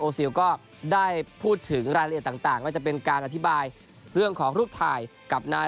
ซิลก็ได้พูดถึงรายละเอียดต่างว่าจะเป็นการอธิบายเรื่องของรูปถ่ายกับนาย